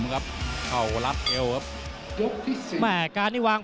หบออกมาเพื่อคุณ